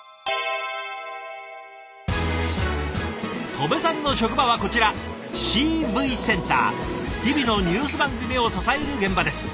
戸部さんの職場はこちら日々のニュース番組を支える現場です。